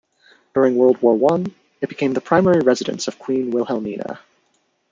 During World War One it became the primary residence of Queen Wilhelmina.